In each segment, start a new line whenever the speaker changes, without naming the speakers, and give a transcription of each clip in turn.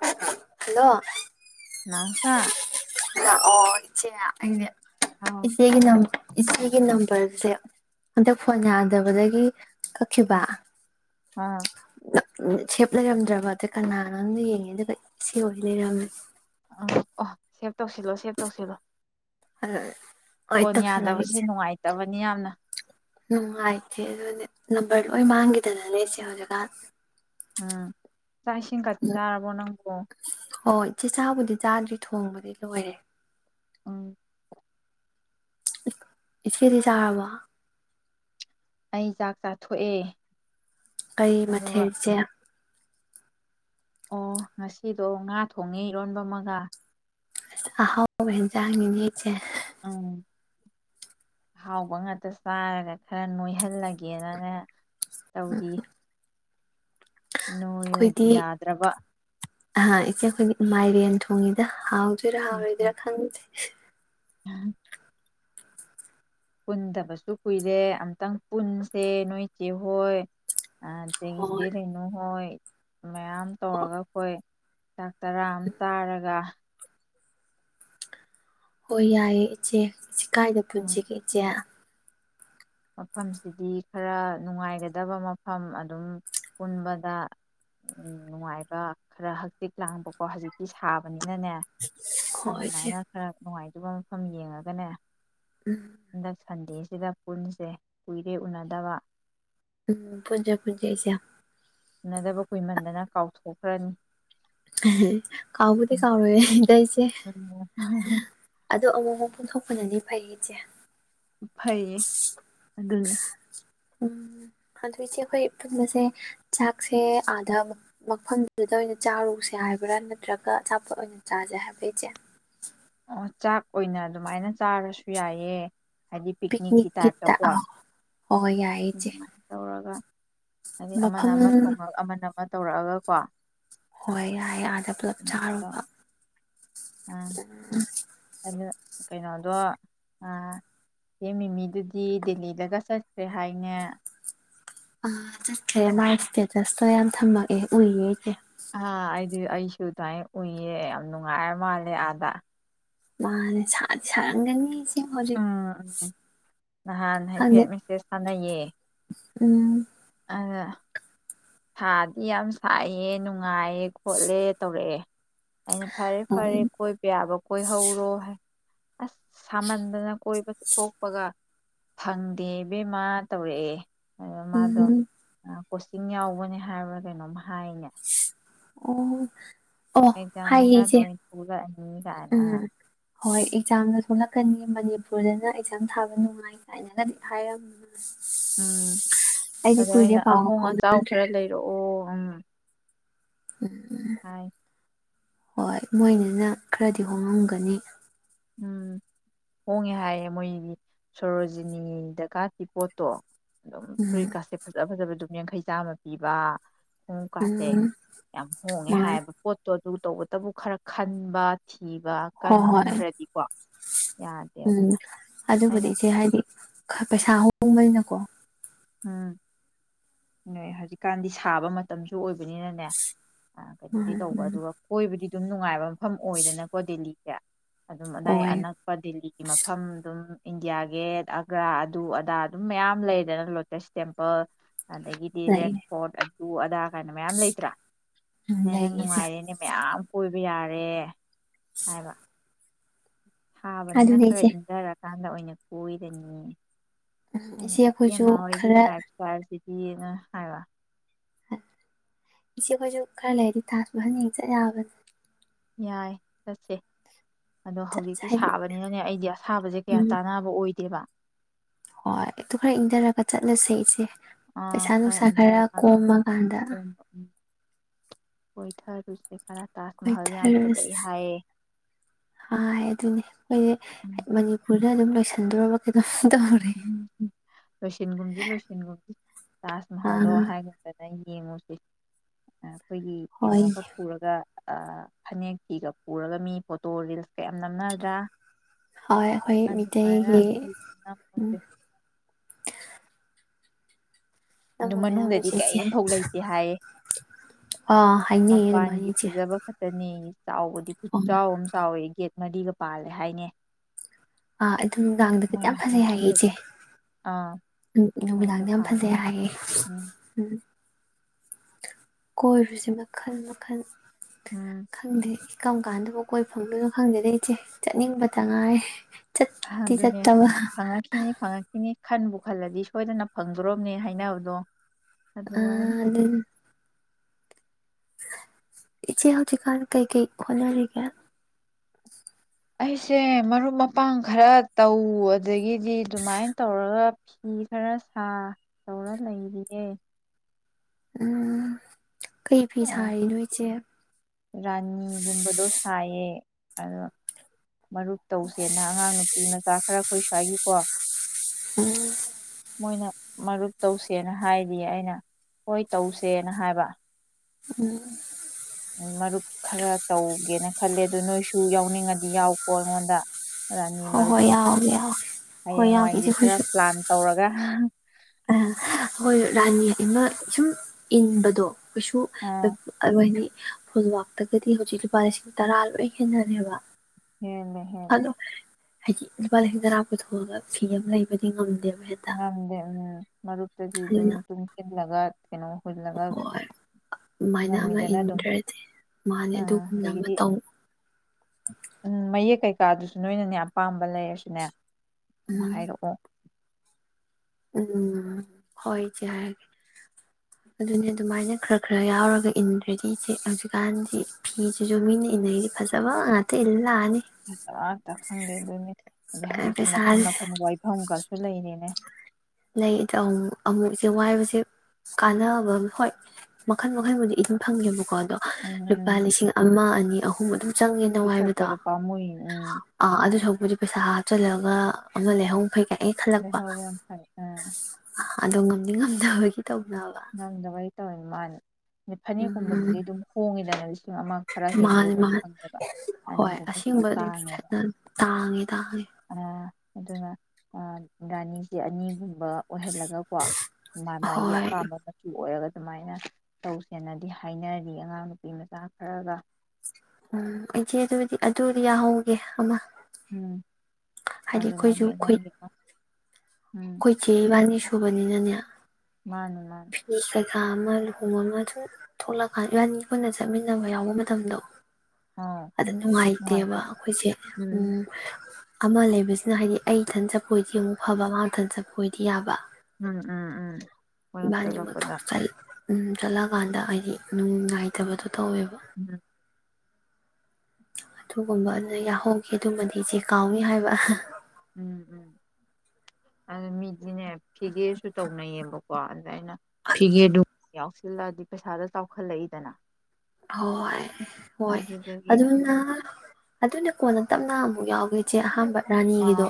[inaudible] Hello
ꯅꯧꯆꯥ
ꯂꯛꯑꫭ ꯏꯆꯦ ꯑꯩꯖꯦ
ꯎꯝ
ꯏꯆꯦꯒꯤ ꯅꯝ ꯏꯁꯩꯒꯤ ꯅꯝꯕꯔꯁꯦ ꯍꯟꯗꯛ ꯐꯣꯟ ꯌꯥꯗꯕꯗꯒꯤ ꯀꯛꯈꯤꯕ
ꯑꯥ
ꯁꯦꯞ ꯂꯩꯔꯝꯗ꯭ꯔꯕ ꯑꯗ ꯀꯅꯥꯅꯣꯅ ꯌꯦꯡꯉꯦ ꯑꯗꯨꯒ ꯏꯆꯦ ꯑꯣꯏ ꯂꯩꯔꯝꯃꯦ
ꯑꯩ ꯑꯣ ꯁꯦꯚ ꯇꯧꯁꯤꯜꯂꯣ ꯁꯦꯚ ꯇꯧꯁꯤꯜꯂꯣ
[unintelligible]
ꯀꯣꯟ
ꯇꯧꯁꯜꯂꯒ
ꯌꯥꯗꯕꯁꯤ
ꯏꯆꯦ
ꯅꯨꯡꯉꯥꯏꯇꯕꯅꯤ ꯌꯥꯝꯅ
ꯅꯨꯡꯉꯥꯏꯇꯦ ꯑꯗꯨꯅꯦ ꯅꯝꯕꯔ ꯂꯣꯏ ꯃꯥꯡꯈꯤꯗꯅꯅꯦ ꯏꯁꯦ ꯍꯧꯖꯤꯛꯀꯥꯟ
ꯎꯝ ꯆꯥꯛ ꯏꯁꯤꯡꯒꯗꯤ ꯆꯥꯔꯕꯣ ꯅꯪꯕꫭ
ꯍꯣꯏ ꯏꯆꯦ ꯆꯥꯕꯨꯗꯤ ꯆꯥꯗ꯭ꯔꯤ ꯊꯣꯡꯕꯗꯤ ꯂꯣꯏꯔꯦ
ꯎꯝ
ꯏꯆꯦꯗꯤ ꯆꯥꯔꯕꫭ
ꯑꯩ ꯆꯥꯛ ꯆꯥꯊꯣꯛꯑꯦ
ꯀꯔꯤ
ꯑꯗꯨꯒ
ꯃꯊꯦꯜ ꯏꯆꯦ
ꯑꯣ ꯉꯁꯤꯗꯣ ꯉꯥ ꯊꯣꯡꯉꯦ ꯏꯔꯣꯟꯕ ꯑꯃꯒ
ꯑꯁ ꯑꯍꯥꯎꯕ ꯏꯟꯖꯥꯡ ꯅꯤꯅꯦ ꯏꯆꯦ
ꯎꯝ ꯑꯍꯥꯎꯕ ꯉꯥꯛꯇ ꯆꯥꯔꯒ ꯈꯔ ꯅꯣꯏꯍꯜꯂꯒꯦꯅꯅꯦ ꯇꯧꯔꯤ ꯅꯣꯏꯌꯨꯗꯤ ꯌꯥꯗ꯭ꯔꯕ
ꯑꯍ ꯏꯆꯦ ꯑꯩꯈꯣꯏꯗꯤ ꯃꯥꯏꯔꯦꯟ ꯊꯣꯡꯉꯤꯗ ꯍꯥꯎ ꯗꫭꯏꯔ
ꯎꯝ
ꯍꯥꯎꯔꫭꯏ
ꯎꯝ
ꯗꫭꯏꯔ ꯈꯪꯉꯦ
[unintelligible] ꯄꯨꯟꯗꯕꯁꯨ ꯀꯨꯏꯔꯦ ꯑꯝꯇꯪ ꯄꯨꯟꯁꯦ ꯅꯣꯏ ꯆꯦ ꯍꯣꯏ ꯑꯥ ꯑꯗꯒꯤ ꯆꯦ
ꯍꯣꯏ
ꯔꯤꯅꯨ ꯍꫭꯏ ꯃꯌꯥꯝ
ꯍꯣꯏ
ꯇꯧꯔꯒ ꯑꯩꯈꯣꯏ ꯆꯥꯛ ꯆꯥꯔ ꯑꯃ ꯆꯥꯔꯒ
ꯍꯣꯏ ꯌꯥꯏꯌꯦ ꯏꯆꯦ ꯀꯥꯏꯗ
ꯎꯝ
ꯄꯨꯟꯁꯤꯒꯦ ꯏꯆꯦ
ꯃꯐꯝꯁꯤꯗꯤ ꯈꯔ ꯅꯨꯡꯉꯥꯏꯒꯗꯕ ꯃꯐꯝ ꯑꯗꯨꯝ ꯄꯨꯟꯕꯗ ꯅꯨꯡꯉꯥꯏꯕ ꯈꯔ ꯍꯆꯤꯛ ꯂꯥꯡꯕꯀꯣ ꯍꯧꯖꯤꯛꯇꯤ ꯁꯥꯕꯅꯤ ꯅꯅꯦ
ꯍꯣꯏ ꯏꯆꯦ
ꯑꯗꯨꯃꯥꯏꯅ ꯈꯔ ꯅꯨꯡꯉꯥꯏ ꯊꯕꯛ ꯃꯐꯝ ꯌꯦꯡꯉꯒꯅꯦ
ꯎꯝ
ꯍꯟꯗꯛ ꯁꯟꯗꯦꯁꯤꯗ ꯄꯨꯟꯁꯦ ꯀꯨꯏꯔꯦ ꯎꯅꯗꯕ
ꯎꯝ ꯄꯨꯟꯖꯦ ꯄꯨꯟꯖꯦ ꯏꯆꯦ
ꯎꯅꯗꯕ ꯀꯨꯏꯃꯟꯗꯅ ꯀꯥꯎꯊꯣꯛꯈ꯭ꯔꯅꯤ
ꯀꯥꯎꯕꯨꯗꯤ
ꯎꯝ
ꯀꯥꯎꯔꯣꯏꯗ ꯏꯆꯦ
ꯎꯝ
ꯑꯗꯣ ꯑꯃꯨꯛ ꯑꯃꯨꯛ ꯄꯨꯟꯊꯣꯛ ꯐꯟꯅꯗꯤ ꯐꯩ ꯏꯆꯦ
ꯐꯩꯌꯦ ꯑꯗꯨꯅꯤ
ꯎꯝ ꯑꯗꯨ ꯏꯆꯦ ꯑꯩꯈꯣꯏ ꯄꯨꯟꯕꯁꯦ ꯆꯥꯛꯁꯦ ꯑꯥꯗ ꯃꯐꯝꯗꯨꯗ ꯑꯣꯏꯅ ꯆꯥꯔꯨꯁꯦ ꯍꯥꯏꯕ꯭ꯔꯥ ꯅꯠꯇ꯭ꯔꯒ ꯑꯆꯥꯄꯣꯠ ꯑꯣꯏꯅ ꯆꯥꯁꯦ ꯍꯥꯏꯕ꯭ꯔꯥ ꯏꯆꯦ
ꯑꯣ ꯆꯥꯛ ꯑꯣꯏꯅ ꯑꯗꯨꯃꯥꯏꯅ ꯆꯥꯔꯁꯨ ꯌꯥꯏꯌꯦ ꯍꯥꯏꯗꯤ ꯄꯤꯛꯅꯤꯛꯀꯤ
ꯇ
ꯇꯥꯏꯞꯇꯀꯣ
ꯑ ꯍꯣꯏ ꯌꯥꯏꯌꯦ ꯏꯆꯦ
ꯑꯗꯨꯃꯥꯏꯅ ꯇꯧꯔꯒ ꯍꯥꯏꯗꯤ
ꯃꯐꯝ
ꯑꯃꯅ ꯑꯃ ꯊꯣꯡꯉꯒ ꯑꯃꯅ ꯑꯃ ꯇꯧꯔꯛꯑꯒ ꯀꯣ
ꯍꯣꯏ ꯌꯥꯏ ꯑꯥꯗ ꯄꯨꯂꯞ ꯆꯥꯔꯨꯕ
ꯎꯝ ꯑꯗꯨ ꯀꯩꯅꯣꯗꯣ ꯑꯥ ꯆꯦ ꯃꯤꯃꯤꯗꯨꯗꯤ ꯗꯦꯜꯂꯤꯗꯒ ꯆꯠꯈ꯭ꯔꯦ ꯍꯥꯏꯅꯦ
ꯑꯥ ꯆꯠꯈꯔ꯭ꯦ ꯃꯥꯥꯏ ꯏꯁꯇꯦꯇꯁꯇꯣ ꯌꯥꯝ ꯊꯝꯃꯛꯑꯦ ꯎꯏꯌꯦ ꯏꯆꯦ
ꯑꯥ ꯑꯩꯗꯤ ꯑꯩꯁꯨ ꯑꯗꯥꯏ ꯎꯏꯌꯦ ꯌꯥꯝ ꯅꯨꯡꯉꯥꯏꯔꯥ ꯃꯥꯜꯂꯦ ꯑꯥꯗ
ꯃꯥꯟꯅꯦ ꯁꯥꯗꯤ ꯁꯥꯔꯝꯒꯅꯤ ꯏꯆꯦ ꯍꯖꯤꯛ
ꯎꯝ ꯎꯝ ꯅꯍꯥꯟ
ꯈꯪꯗꯦ
ꯍꯥꯏꯐꯦꯠ ꯃꯦꯁꯦꯖ ꯊꯥꯅꯩꯌꯦ
ꯎꯝ
ꯑꯗ ꯁꯥꯗꯤ ꯌꯥꯝ ꯁꯥꯏꯌꯦ ꯅꯨꯡ ꯅꯨꯡꯉꯥꯏ ꯈꯣꯠꯂꯦ ꯇꯧꯔꯛꯑꯦ ꯑꯩꯅ ꯐꯔꯦ ꯐꯔꯦ
ꯎꯝ
ꯀꯣꯏꯕ ꯌꯥꯕ ꯀꯣꯏ ꯍꯧꯔꯣ ꯍꯥꯏ ꯑꯁ ꯁꯥꯃꯟꯗꯅ ꯀꯣꯏꯕ ꯊꯣꯛꯄꯒ ꯐꯪꯗꯦ ꯏꯕꯦꯝꯃ ꯇꯧꯔꯛꯑꯦ ꯑꯥ ꯃꯥꯗꯣ
ꯎꯝ
ꯄꯣꯁꯇꯤꯡ ꯌꯥꯎ ꯚꯣꯠꯅꯤ ꯍꯥꯏꯕ꯭ꯔꯥ ꯀꯩꯅꯣꯝ ꯍꯥꯏꯅꯦ
ꯑꯣ
ꯑꯦꯛꯖꯥꯝ
ꯍꯥꯏꯌꯦ
ꯃꯌꯥꯗ
ꯏꯆꯦ
ꯑꯣꯏꯅ ꯊꯣꯛꯂꯛ ꯑꯅꯤ ꯀꯥꯏꯅ ꯑꯥ
ꯎꯝ ꯍꯣꯏ ꯑꯦꯛꯖꯥꯝꯗꯣ ꯊꯣꯛꯂꯛꯀꯅꯤ ꯃꯅꯤꯄꯨꯔꯗꯅ ꯑꯦꯛꯖꯥꯝ ꯊꯥꯕ ꯅꯨꯡꯉꯥꯏ ꯀꯥꯏꯅꯒꯗꯤ ꯍꯥꯏꯔꯝꯃꯤ
ꯎꯝ
ꯑꯩꯗꯤ
ꯑꯗ
ꯀꯨꯏꯔꯦ
ꯑꯩꯅ
ꯄꯥꯎꯒ
ꯑꯍꯣꯡ ꯑꯆꯥꯎ
ꯐꯥꯎꯅꯗ꯭ꯔꯦ
ꯈꯔ ꯂꯩꯔꯛꯑꯣ ꯎꯝ
ꯎꯝ
ꯍꯥꯏ
ꯍꯣꯏ ꯃꯣꯏꯗꯨꯅ ꯈꯔꯗꯤ ꯍꯣꯡꯉꯝꯒꯅꯤ
ꯎꯝ ꯍꯣꯡꯉꯦ ꯍꯥꯏꯌꯦ ꯃꯣꯏꯒꯤ ꯁꯣꯔꯣꯖꯤꯅꯤ ꯗꯀꯥꯗꯤ ꯄꯣꯠꯇꯣ ꯑꯗꯨꯝ
ꯎꯝ
ꯐꯨꯔꯤꯠꯀꯥꯁꯦ ꯐꯖ ꯐꯖꯕ ꯑꯗꯨꯝ ꯌꯥꯡꯈꯩ ꯆꯥꯝꯃ ꯄꯤꯕ ꯈꯣꯡꯎꯞꯀꯥꯁꯦ
ꯎꯝ
ꯌꯥꯝ ꯍꯣꯡꯉꯦ
ꯍꯣꯏ
ꯍꯥꯏꯌꯦꯕ ꯄꯣꯠꯇꯣ ꯑꯗꯨꯕꯨ ꯇꯧꯕꯇꯕꯨ ꯈꯔ ꯈꯟꯕ ꯊꯤꯕ ꯊꯤꯕ
ꯍꯣꯏ ꯍꯣꯏ
ꯀꯟꯗ꯭ꯔ
ꯎꯝ ꯑꯗꯨꯕꯨꯗꯤ
ꯑꯩꯅ
ꯏꯆꯦ ꯍꯥꯏꯗꯤ ꯄꯩꯁꯥ ꯍꯣꯡꯕꯥꯅꯤꯅꯥꯀꯣ
ꯎꯝ ꯅꯣꯏ ꯍꯧꯖꯤꯛꯀꯥꯟꯗꯤ ꯁꯥꯕ ꯃꯇꯝꯁꯨ ꯑꯣꯏꯕꯅꯤꯅꯅꯦ ꯑ ꯀꯩꯅꯣꯗꯤ
ꯎꯝ
ꯇꯧꯕ
ꯎꯝ
ꯑꯗꯨꯒ ꯀꯣꯏꯕꯗꯤ ꯑꯗꯨꯝ ꯅꯨꯡꯉꯥꯏꯕ ꯃꯐꯝ ꯑꯣꯏꯗꯅꯀꯣ ꯗꯦꯜꯂꯤꯁꯦ ꯑꯗꯨꯝ ꯑꯗꯥꯏ
ꯑꯣꯏ
ꯑꯅꯛꯄ ꯗꯤꯜꯂꯤꯒꯤ ꯃꯐꯝ ꯑꯗꯨꯝ ꯏꯟꯗꯤꯌꯥ ꯒꯦꯠ ꯑꯒ꯭ꯔꯥ ꯑꯗꯨ ꯑꯗꯥ ꯑꯗꯨꯝ ꯃꯌꯥꯝ ꯂꯩꯗꯅ ꯂꯣꯇꯁ ꯇꯦꯝꯄꯥꯜ ꯑꯗꯥꯒꯤꯗꯤ
ꯂꯩ
ꯔꯦꯠ ꯐꯣꯔꯠ ꯑꯗꯨ ꯑꯗꯥ ꯀꯥꯏꯅ ꯃꯌꯥꯝ ꯂꯩꯇ꯭ꯔꯥ
ꯎꯝ
ꯑꯦ ꯅꯪ
ꯂꯩꯌꯦ ꯏꯆꯦ
ꯅꯨꯡꯉꯥꯏꯔꯦꯅꯦ ꯃꯌꯥꯝ ꯀꯣꯏꯕ ꯌꯥꯔꯦ ꯍꯥꯏꯕ ꯁꯥꯕꯅꯤꯅ
ꯑꯗꯨꯅꯦ
ꯈꯔ
ꯏꯆꯦ
ꯏꯪꯊꯔꯒꯦ ꯏꯪꯑꯀꯥꯟꯗ ꯑꯣꯏꯅ ꯀꯣꯏꯔꯅꯤ
ꯎꯝ ꯏꯆꯦ ꯑꯩꯈꯣꯏꯁꯨ ꯈꯔ
ꯅ ꯍꯥꯏꯕ
ꯏꯆꯦ ꯈꯣꯏꯁꯨ ꯈꯔ ꯂꯩꯗꯤ ꯇꯥꯁ ꯃꯍꯜ ꯌꯦꯡ ꯆꯠ ꯌꯥꯕꯅꯦ
ꯌꯥꯏ ꯆꯠꯁꯦ ꯑꯗꯣ
ꯆꯠꯁꯦ
ꯍꯧꯖꯤꯛꯇꯤ
ꯍꯥꯏꯗꯤ
ꯁꯥꯕꯅꯤꯅꯅꯦ ꯑꯩꯗꯤ ꯑꯁꯥꯕꯁꯦ ꯀꯌꯥ
ꯎꯝ
ꯆꯥꯟꯅꯕ ꯑꯣꯏꯗꯦ [unintelligible]
ꯍꯣꯏ ꯑꯗꯨ ꯈꯔ ꯏꯪꯊꯔꯒ ꯆꯠꯂꯁꯦ ꯏꯆꯦ
ꯑꯥ
ꯄꯩꯁꯥ ꯅꯨꯡꯁꯥ ꯈꯔ
ꯏꯪꯊꯔꯀꯥꯟꯗ
ꯀꯣꯝꯃꯀꯥꯟꯗ
ꯀꯣꯏ ꯊꯥꯔꯨꯁꯦ
ꯅꯩꯊꯔꯁꯤ ꯍꯥꯏ ꯑꯗꯨꯅꯦ ꯑꯩꯈꯣꯏꯗꯤ ꯃꯅꯤꯄꯨꯔꯗ ꯑꯗꯨꯝ ꯂꯣꯏꯁꯜ ꯗꯣꯔꯥꯕ ꯀꯩꯅꯣꯝ ꯇꯧꯔꯦ
ꯂꯣꯁꯟꯒꯨꯝꯨꯝꯖꯤ ꯂꯣꯁꯟꯒꯨꯝꯁꯤ ꯇꯥꯖ ꯃꯍꯍꯜꯗꯣ
ꯑꯥ
ꯍꯥꯏꯒꯨꯝꯗꯅ ꯌꯦꯉꯨꯁꯤ ꯑ ꯑꯩꯈꯣꯏꯒꯤ
ꯍꯣꯏ
ꯀꯩꯅꯣꯒ ꯄꯨꯔꯒ ꯐꯅꯦꯛ ꯐꯤꯒ ꯄꯨꯔꯒ ꯃꯤ ꯐꯣꯇꯣ ꯔꯤꯜꯁꯀ ꯌꯥꯝ ꯅꯝꯅꯗ꯭ꯔꯥ
ꯍꯣꯏ ꯑꯩꯈꯣꯏ
ꯑꯗꯨꯃꯥꯏꯅ
ꯃꯤꯇꯩꯒꯤ
ꯑꯩꯈꯣꯏꯁꯨ
ꯎꯝ
ꯅꯝꯃꯁꯦ ꯑꯗꯨ
ꯅꯪꯕꯨꯁꯨ
ꯃꯅꯨꯡꯗꯗꯤ
ꯅꯪꯕꯨꯁꯨ ꯏꯆꯦ
ꯀꯔꯤꯝꯐꯥꯎ ꯂꯩꯇꯦ ꯍꯥꯏꯌꯦ
ꯑꯥ ꯍꯥꯏꯅꯩꯌꯦ
ꯃꯄꯥꯟꯒꯤ
ꯑꯗꯨꯃꯥꯏꯅ ꯏꯆꯦ
ꯐꯖꯕ ꯈꯛꯇꯅꯦꯌꯦ ꯆꯥꯎꯕꯗꯤ ꯈꯨꯠ
ꯑꯣ
ꯆꯥꯎ ꯑꯃ ꯆꯥꯎꯋꯦ ꯒꯦꯠ ꯃꯔꯤꯒ ꯄꯥꯜꯂꯦ ꯍꯥꯏꯅꯦ
ꯑ ꯑꯩꯗꯣ ꯅꯨꯅꯨꯡꯗꯥꯡꯗꯒꯗꯤ
ꯃꯣꯏ
ꯌꯥꯝ ꯐꯖꯩ
ꯍꯥꯏꯕ
ꯍꯥꯏꯌꯦ ꯏꯆꯦ
ꯆꯠꯂꯤ ꯑꯥ ꯃꯩꯒ
ꯅꯨꯃꯤꯗꯥꯡꯗ ꯌꯥꯝ ꯐꯖꯩ
ꯊꯥꯜꯂꯒ
ꯍꯥꯏꯌꯦ ꯎꯝ ꯀꯣꯏꯔꯨꯁꯦ ꯃꯈꯜ ꯃꯈꯜ
ꯎꯝ
ꯈꯪꯗꯦ ꯀꯔꯝ ꯀꯥꯟꯗꯕꯨ ꯀꯣꯏ ꯐꯝꯗꯣꯏꯅꯣ ꯈꯪꯖꯗꯦ ꯏꯆꯦ ꯆꯠꯅꯤꯡꯕ ꯇ ꯉꯥꯏꯔꯦ ꯆꯠꯇꯤ
ꯑꯗꯨꯅꯦ
ꯆꯠꯇꯕ
ꯐꯪꯉꯛꯈꯤꯅꯤ ꯐꯪꯉꯛꯈꯤꯅꯤ ꯈꯟꯕꯨ ꯈꯜꯂꯗꯤ ꯁꯣꯏꯗꯅ ꯐꯪꯗꯣꯔꯣꯝꯅꯦ ꯍꯥꯏꯅꯕꯗꯣ
ꯑ
ꯑꯗꯨꯃꯥꯏꯅ
ꯏꯆꯦ ꯍꯧꯖꯤꯛ ꯀꯥꯟ ꯀꯩ ꯀꯩ ꯍꯣꯠꯅꯔꯤꯒꯦ
ꯑꯩꯁꯦ ꯃꯔꯨꯞ ꯃꯄꯥꯡ ꯈꯔ ꯇꯧ ꯑꯗꯒꯤꯗꯤ ꯑꯗꯨꯃꯥꯏꯅ ꯇꯧꯔꯒ ꯐꯤ ꯈꯔ ꯁꯥ ꯇꯧꯔ ꯂꯩꯔꯤꯌꯦ
ꯎꯝ ꯀꯩ ꯐꯤ ꯁꯥꯔꯤꯅꯣ ꯏꯆꯦ
ꯑ ꯔꯥꯅꯤꯒꯨꯝꯕꯗꯣ ꯁꯥꯌꯦ ꯑꯗꯣ ꯃꯔꯨꯞ ꯇꯧꯁꯦꯅ ꯑꯉꯥꯡ ꯅꯨꯄꯤ ꯃꯆꯥ ꯆꯥ ꯈꯔ ꯑꯩꯈꯣꯏ ꯁ꯭ꯋꯥꯏꯒꯤꯀꯣ
ꯑꯣ
ꯃꯣꯏꯅ ꯃꯔꯨꯞꯞ ꯇꯧꯁꯦꯅ ꯍꯥꯏꯔꯤꯍꯦ ꯑꯩꯅ ꯍꯣꯏ ꯇꯧꯁꯦꯅ ꯍꯥꯏꯕ
ꯎꯝ
ꯃꯔꯨꯞ ꯈꯔ ꯇꯧꯒꯦꯅ ꯈꯜꯂꯦ ꯑꯗꯨ ꯅꯣꯏꯁꯨ ꯌꯥꯎꯅꯤꯡꯉꯗꯤ ꯌꯥꯎꯀꯣ ꯑꯩꯉꯣꯟꯗ ꯔꯥꯅꯤ
ꯍꯣꯏ ꯍꯣꯏ
ꯃꯔꯨꯞꯛꯇꯣ
ꯌꯥꯎꯒꯦ ꯌꯥꯎꯒꯦ ꯍꯣꯏ ꯌꯥꯎꯒꯦ
ꯍꯌꯦꯡꯋꯥꯏꯒꯤ ꯈꯔ ꯄ꯭ꯂꯥꯟ ꯇꯧꯔꯒ
ꯑ ꯍꯣꯏ ꯔꯥꯅꯤ ꯑꯃ ꯁꯨꯝ ꯏꯟꯕꯗꯣ ꯀꯩꯁꯨ
ꯑꯥ
[unintelligible] ꯐꯨꯜꯕꯥꯛꯇꯒꯗꯤ ꯍꯧꯖꯤꯛ ꯂꯨꯄꯥ ꯂꯤꯁꯤꯡ ꯇꯔꯥ ꯂꯣꯏ ꯍꯦꯟꯅꯔꯦꯕ
ꯍꯦꯟꯅꯦ ꯍꯦꯟ
ꯑꯗꯣ ꯍꯥꯏꯗꯤ ꯂꯨꯄꯥ ꯂꯤꯁꯤꯡ ꯇꯔꯥ ꯄꯨꯊꯣꯛꯑꯒ ꯐꯤ ꯑꯃ ꯂꯩꯕꯗꯤ ꯉꯝꯗꯦꯕ꯫ ꯍꯦꯛꯇ
ꯉꯝꯗꯦ ꯎꯝ꯫ ꯃꯔꯨꯞꯇꯗꯤ ꯑꯗꯨ
ꯑꯗꯨꯅ
ꯇꯨꯡꯁꯤ ꯂꯒ
ꯍꯣꯏ ꯑꯗꯨꯃꯥꯏꯅ ꯑꯃ
ꯉꯝꯃꯤꯗꯅ ꯑꯗꯨꯝ
ꯏꯟꯗ꯭ꯔꯗꯤ ꯃꯥꯅꯦ
ꯑꯥ
ꯑꯗꯨꯒꯨꯝꯅ ꯑꯃ
ꯑꯗꯒꯤꯗꯤ
ꯇꯧ
ꯎꯝ ꯃꯌꯦꯛ ꯀꯩꯀꯥꯗꯨꯁꯨ ꯅꯣꯏꯅꯅꯦ ꯑꯄꯥꯝꯕ ꯂꯩꯔꯁꯨꯅꯦ
ꯎꯝ
ꯍꯥꯏꯔꯛꯑꯣ
ꯎꯝ ꯍꯣꯏ ꯏꯆꯦ ꯍꯥꯏꯔꯒꯦ ꯑꯗꯨꯅꯦ ꯑꯗꯨꯃꯥꯏꯅ ꯈꯔ - ꯈꯔ ꯌꯥꯎꯔꯒ ꯏꯟꯗ꯭ꯔꯗꯤ ꯏꯆꯦ ꯍꯧꯖꯤꯛꯀꯥꯟꯗꯤ ꯐꯤꯁꯤꯁꯨ ꯃꯤꯅ ꯏꯟꯅꯔꯤꯗꯤ ꯐꯖꯕ ꯉꯥꯛꯇ ꯏꯜꯂꯦ꯫
ꯐꯖꯕ ꯉꯛꯇ ꯈꯪꯗꯦ ꯑꯗꯨꯅꯤ꯫ ꯑꯗ ꯍꯧꯖꯤꯛꯇꯤ ꯃꯈꯟ
ꯄꯩꯁꯥꯁꯦ
ꯃꯈꯟ ꯋꯥꯏꯐꯝꯒꯁꯨ ꯂꯩꯔꯤꯅ [inaudible]
ꯂꯩ ꯑꯗꯣ ꯑꯃꯨ ꯑꯃꯨꯛ ꯏꯁꯦ ꯋꯥꯏꯕꯁꯦ ꯀꯥꯟꯅꯕ ꯍꯣꯏ ꯃꯈꯜ ꯃꯈꯟꯕꯨꯗꯤ ꯏꯗꯤꯟ ꯐꯪꯉꯦꯕꯀꯣ ꯂꯨꯄꯥ
ꯎꯝ
ꯂꯤꯁꯤꯡ ꯑꯃ ꯑꯅꯤ ꯑꯍꯨꯝ ꯑꯗꯨꯝ ꯆꯪꯉꯦꯅ ꯋꯥꯏꯕꯗꯣꯅ
ꯄꯤꯊꯣꯛꯄꯗꯣ ꯄꯥꯝꯃꯨꯏ ꯎꯝ
ꯑꯥ ꯑꯗꯨ ꯁꯔꯨꯛꯄꯨꯗꯤ ꯄꯩꯁꯥ ꯍꯥꯞ ꯍꯥꯞꯆꯜꯂ ꯑꯃꯅ ꯂꯩꯍꯧ ꯐꯩ꯫ ꯀꯥꯏ ꯑꯩ ꯈꯜꯂꯛꯄ
[unintelligible]
ꯑꯗꯣ ꯉꯝꯗꯤ ꯉꯝꯗꯕꯒꯤ ꯇꯧꯅꯥꯕ꯫
[unintelligible] ꯑꯥ ꯐꯅꯦꯛꯀꯨꯝꯕꯗꯨꯗꯤ ꯑꯗꯨꯝ ꯍꯣꯡꯉꯦꯗꯅ ꯂꯤꯁꯤꯡ ꯑꯃ ꯈꯔ ꯍꯦꯟꯕꯗ
ꯃꯥꯅꯦ
ꯑꯗꯨꯝ
ꯃꯥꯅꯦ
ꯐꯪꯉꯦꯕ
ꯍꯣꯏ
ꯔꯅꯤꯒꯨꯝꯕꯁꯤꯗꯤ
ꯑꯁꯦꯡꯕ ꯑꯗꯨꯝ
ꯇꯥꯡꯉꯦꯕ꯫
ꯁꯥꯏꯠꯅ ꯇꯥꯡꯉꯦ ꯇꯥꯡꯉꯦ
ꯑꯗꯨꯅ ꯔꯥꯅꯤꯁꯦ ꯑꯅꯤꯒꯨꯝ ꯑꯣꯏꯍꯜꯂꯒꯀꯣ ꯃꯥ - ꯃꯥꯒꯤ
ꯍꯣꯏ
ꯑꯄꯥꯝꯕ ꯃꯆꯨ ꯑꯣꯏꯔꯒ ꯑꯗꯨꯃꯥꯏꯅ ꯇꯧꯁꯦꯅꯗꯤ ꯍꯥꯏꯅꯔꯤ ꯑꯉꯥꯡ ꯅꯨꯄꯤ ꯃꯆꯥ ꯈꯔꯒ
ꯎꯝ ꯏꯆꯦ ꯑꯗꯨꯗꯤ ꯑꯗꯨꯗꯤ ꯌꯥꯍꯧꯒꯦ ꯑꯃ꯫
ꯎꯝ ꯊꯖꯤꯜꯂꯒꯦ ꯅꯪꯒꯤ ꯑꯃ꯫
ꯈꯣꯏ ꯆꯦ ꯏꯕꯥꯟꯅꯤꯁꯨ ꯕꯅꯤꯅꯅꯦ
ꯃꯥꯅꯦ - ꯃꯥꯅꯦ꯫
ꯊꯥ ꯑꯃ ꯂꯨꯍꯣꯡ ꯑꯃ ꯁꯨꯝ ꯊꯣꯛꯂꯛꯀꯥꯟꯗ ꯏꯕꯥꯅꯤ ꯁꯨꯝ ꯄꯨꯟꯅ ꯆꯠꯃꯤꯟꯅꯕ ꯌꯥꯎꯕ ꯃꯇꯝꯗꯣ
ꯑꯥ
ꯑꯗꯨ ꯅꯨꯡꯉꯥꯏꯇꯦꯕ
ꯅꯨꯡꯉꯥꯏꯇꯕ
ꯑꯩꯈꯣꯏꯁꯦ ꯎ
ꯎꯝ
ꯑꯃ ꯂꯩꯕꯁꯤꯅ ꯍꯥꯏꯗꯤ ꯑꯩ ꯏꯊꯟ ꯆꯠꯄꯣꯏꯗꯤ ꯑꯃꯨꯛ ꯐꯕ ꯃꯥ ꯏꯊꯟ ꯆꯠꯄꯣꯏꯗꯤ ꯌꯥꯕ꯫
ꯎꯝ ꯎꯝ ꯎꯝ꯫ ꯄꯨꯂꯞ
ꯏꯕꯅꯤꯃꯛ ꯊꯣꯛ
ꯆꯠꯂꯛꯄꯗ
ꯆꯜꯂꯦ꯫ ꯎꯝ ꯆꯠꯂꯀꯥꯟꯗ ꯍꯥꯏꯗꯤ ꯅꯨꯡꯉꯥꯏꯇꯕꯗꯨ ꯇꯧꯋꯦꯕ
ꯎꯝ
ꯑꯗꯨꯒꯨꯝꯕꯅ ꯌꯥꯍꯧꯒꯦ ꯑꯗꯨꯃꯗꯤ ꯏꯆꯦ ꯀꯥꯎꯅꯤ ꯍꯥꯏꯕ
ꯎꯝ ꯎꯝ ꯑꯗꯨ ꯃꯤꯗꯤꯅꯦ ꯐꯤꯒꯦꯁꯨ ꯇꯧꯅꯩꯌꯦꯕꯀꯣ ꯥꯏꯩꯅ ꯐꯤꯒꯦ ꯑꯗꯨ ꯌꯥꯎꯁꯤꯜꯂꯛꯑꯗꯤ ꯄꯩꯁꯥꯗ ꯆꯥꯎꯈꯠꯂꯛꯏꯗꯅ
ꯍꯣꯏ ꯍꯣꯏ
ꯑꯗꯨꯗꯒꯤ
ꯑꯗꯨꯅ ꯑꯗꯨꯅꯦ ꯀꯣꯟꯅ ꯇꯞꯅ ꯑꯃꯨꯛ ꯌꯥꯎꯒꯦ ꯏꯆꯦ ꯑꯍꯥꯟꯕ
ꯑꯥ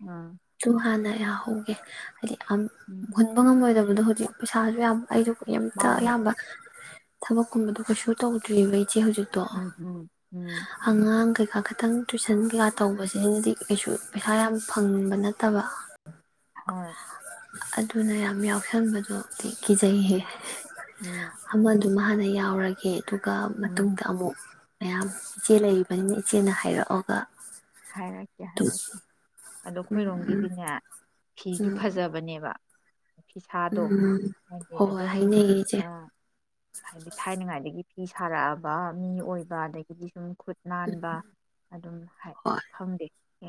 ꯎꯝ
ꯑꯗꯨꯨ ꯍꯥꯟꯅ ꯌꯥꯍꯧꯒꯦ ꯍꯥꯏꯗꯤ
ꯎꯝ
ꯨꯉꯕ ꯍꯨꯟꯕꯉꯝ ꯑꯣꯏꯗꯕ ꯑꯗꯣ ꯍꯧꯖꯤꯛ ꯄꯩꯁꯥꯁꯨ ꯌꯥꯝ ꯑꯩꯁꯨ ꯑꯝꯇ
ꯃꯥꯅꯦ
ꯑꯌꯥꯝꯕ ꯊꯕꯛꯀꯨꯝꯕꯗꯣ ꯀꯩꯁꯨ ꯇꯧꯗ꯭ꯔꯤꯕ ꯆꯦ ꯍꯧꯖꯤꯛꯇꯣ
ꯎꯝ ꯎꯝ ꯎꯝ
ꯑꯉꯥꯡꯒ ꯈꯤꯇꯪ ꯇꯨꯏꯁꯟ ꯀꯩꯀꯥ ꯇꯧꯕꯁꯤꯅꯗꯤ ꯀꯩꯁꯨ ꯄꯩꯁꯥ ꯌꯥꯝ ꯐꯪꯕ ꯅꯠꯇꯕ
ꯍꯣꯏ
ꯑꯗꯨꯅ ꯌꯥꯝ ꯌꯥꯎꯁꯟꯕꯗꯣ ꯀꯤꯖꯩꯍꯤ
ꯎꯝ ꯎꯝ
ꯑꯃꯗꯨ ꯗꯨꯃꯥ ꯍꯥꯟꯅ ꯌꯥꯎꯔꯒꯦ ꯑꯗꯨꯒ
ꯎꯝ
ꯃꯇꯨꯡꯗ ꯑꯃꯨꯛ ꯃꯌꯥꯝ ꯏꯆꯦ ꯂꯩꯔꯤꯕꯕꯅꯤꯅ ꯏꯆꯦꯅ ꯍꯥꯏꯔꯛꯑꯒ
ꯍꯥꯏꯔꯛꯀꯦ
ꯑꯗꯨꯝ
ꯍꯥꯏꯔꯛꯀꯦ ꯑꯗꯣ
ꯎꯝ
ꯈꯣꯏꯔꯣꯝꯒꯤꯗꯤꯅꯦ ꯐꯤꯁꯨ
ꯎꯝ
ꯐꯖꯕꯅꯦꯕ [unintelligible] ꯐꯤꯁꯥꯗꯣ
ꯎꯝ ꯎꯝ
ꯍꯥꯏꯗꯤ
ꯍꯣꯏ ꯍꯣꯏ
ꯑꯗꯨꯝ
ꯍꯥꯏꯅꯩꯌꯦ ꯏꯆꯦ
ꯍꯥꯏꯗꯤ ꯊꯥꯏꯅꯉꯥꯏꯗꯒꯤ ꯐꯤ ꯁꯥꯔꯛꯑꯕ ꯃꯤ ꯑꯣꯏꯕ ꯑꯗꯒꯤꯗꯤ ꯁꯨꯝ ꯈꯨꯠ ꯅꯥꯟꯕ ꯑꯗꯨꯝ ꯍꯥꯏ
ꯍꯣꯏ
ꯈꯪꯗꯦ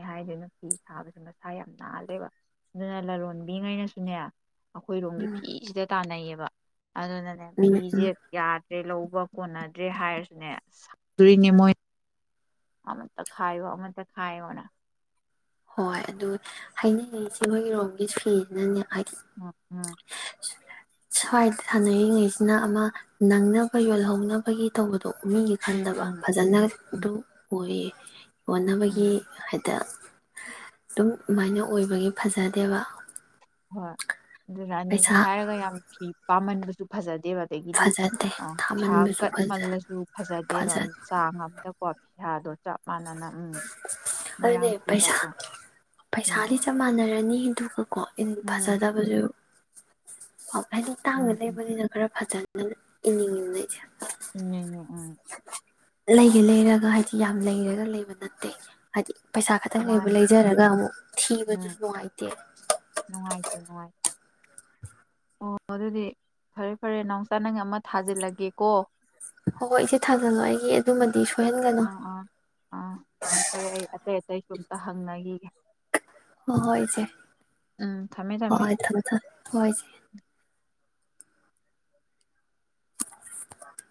ꯍꯥꯏꯗꯅꫭ ꯐꯤ ꯁꯥꯕꯁꯦ ꯃꯁꯥ ꯌꯥꯝ ꯅꯥꯜꯂꯦꯕ ꯑꯗꯨꯅ ꯂꯂꯣꯟꯕꯤꯉꯩꯅꯁꯨꯅꯦ ꯑꯩꯈꯣꯏꯔꯣꯝꯒꯤ
ꯎꯝ
ꯐꯤꯁꯤꯗ ꯇꯥꯟꯅꯩꯌꯦꯕ ꯑ [unintelligible] ꯑꯗꯨꯅꯅꯦ
ꯎꯝ ꯎꯝ
ꯐꯤꯁꯦ ꯌꯥꯗꯦ ꯗꯦ ꯂꯧꯕ ꯀꯣꯟꯅꯗ꯭ꯔꯦ ꯍꯥꯏꯔꯁꯨꯅꯦ ꯁꯪꯗꯣꯔꯤꯅꯦ ꯃꯣꯏ ꯑꯃꯇ ꯈꯥꯏꯌꯣ ꯑꯃꯇ ꯈꯥꯏꯌꯣꯅ
ꯍꯣꯏ ꯑꯗꯨ ꯍꯥꯏꯅꯤꯡꯉꯁꯤꯦ ꯃꯣꯏꯒꯤꯔꯣꯝꯒꯤ ꯐꯤꯅꯅꯦ
ꯑ ꯑꯝ
ꯁ꯭ꯋꯥꯏꯗ ꯁꯥꯟꯅꯔꯤꯉꯩꯁꯤꯅ ꯑꯃ ꯅꯪꯅꯕ ꯌꯣꯜꯍꯧꯅꯕꯒꯤ ꯇꯧꯕꯗ ꯑꯗꯣ ꯃꯤꯒꯤ
ꯎꯝ
ꯈꯟꯗꯕ
ꯎꯝ ꯎꯝ
ꯐꯖꯅ
ꯎꯝ
ꯑꯗꯨ ꯑꯣꯏꯌꯦ
ꯎꯝ
ꯑꯣꯅꯕꯒꯤ ꯍꯥꯏꯗꯤ ꯑꯗꯨꯝ ꯑꯗꯨꯃꯥꯏꯅ ꯑꯣꯏꯕꯒꯤ ꯐꯖꯗꯦꯕ
ꯍꯣꯏ ꯑꯗꯨ ꯔꯥꯅꯤꯅꯦ
ꯄꯩꯁꯥ
ꯍꯥꯏꯔꯒ ꯌꯥꯝ ꯐꯤ ꯄꯥꯝꯃꯟꯕꯁꯨ ꯐꯖ ꯗꯦꯕ ꯑꯗꯒꯤꯗꯤ
ꯐꯖꯗꯦ
ꯊꯥ
ꯊꯥꯃꯟꯕꯁꯨ
ꯀꯠꯃꯜꯂꯁꯨ ꯐꯖꯗꯦꯕ
ꯐꯖ
ꯆꯥꯡ ꯑꯃꯗꯀꯣ ꯄꯩꯁꯥꯗꯣ ꯆꯞ ꯃꯥꯟꯅꯅ ꯎꯝ
ꯑꯗꯨꯅꯦ
ꯃꯣꯏꯔꯥꯡ
ꯄꯩꯁꯥ
ꯐꯤꯒꯗꯣ ꯎꯝ
ꯄꯩꯁꯥꯗꯤ ꯆꯞ ꯃꯥꯟꯅꯔꯅꯤ ꯑꯗꯨꯒꯀꯣ ꯟ
ꯎꯝ
ꯐꯖꯗꯕꯁꯨ ꯑ ꯍꯥꯏꯗꯤ ꯇꯥꯡꯅ
ꯎꯝ ꯎꯝ
ꯂꯩꯕꯅꯤꯅ ꯈꯔ ꯐꯖꯅꯤ ꯏ
[unintelligible] ꯎꯝ
ꯂꯩꯒꯦ ꯂꯩꯔꯒ ꯍꯥꯏꯗꯤ ꯌꯥꯝ ꯂꯩꯔꯒ ꯂꯩꯕ ꯅꯠꯇꯦ ꯍꯥꯏꯗꯤ ꯄꯩꯁꯥ ꯈꯛꯇꯪ ꯂꯩꯕ
ꯃꯥꯅꯤ
ꯂꯩꯖꯔꯒ ꯑꯃꯨꯛ
ꯎꯝ
ꯊꯤꯕꯗꯨꯁꯨ ꯅꯨꯡꯉꯥꯏꯇꯦ
ꯅꯨꯡꯉꯥꯏꯇꯦ ꯅꯨꯡꯉꯥꯏꯇꯦ ꯑꯣ ꯑꯗꯨꯗꯤ ꯐꯔꯦ ꯐꯔꯦ ꯅꯥꯎꯁꯥ ꯅꯪ ꯑꯃ ꯊꯥꯖꯤꯜꯂꯒꯦꯀꯣ
ꯍꯣꯏ ꯍꯣꯏ ꯏꯆꯦ ꯊꯥꯖꯜꯂꯣ ꯑꯩꯒꯤ ꯑꯗꯨꯃꯗꯤ ꯁꯣꯏꯍꯟꯒꯅꯨ
ꯑ ꯑ ꯑ ꯑꯇꯩ ꯑꯇꯩ ꯀꯝꯇ ꯍꯪꯅꯈꯤꯒꯦ
ꯍꯣꯏ ꯍꯣꯏ ꯏꯆꯦ
ꯎꯝ ꯊꯝꯃꯦ
ꯍꯣꯏ ꯍꯣꯏ ꯊꯝꯃꯦ ꯊꯝꯃꯦ ꯍꯣꯏ ꯏꯆꯦ